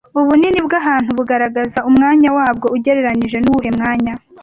Ubunini bwahantu bugaragaza umwanya wabwo ugereranije nuwuhe mwanya